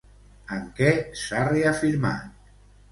En què s'ha reafirmat?